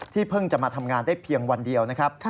เพิ่งจะมาทำงานได้เพียงวันเดียวนะครับ